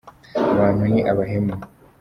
abantu ni abahemu